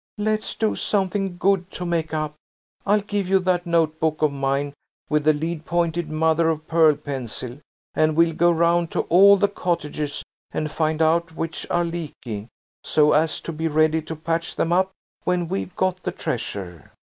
"Let's do something good to make up. I'll give you that notebook of mine with the lead pointed mother of pearl pencil, and we'll go round to all the cottages and find out which are leaky, so as to be ready to patch them up when we've got the treasure."